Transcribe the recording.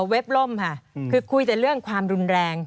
ล่มค่ะคือคุยแต่เรื่องความรุนแรง